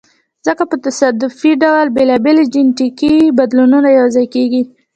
ځکه په تصادفي ډول بېلابېل جینټیکي بدلونونه یو ځای کیږي.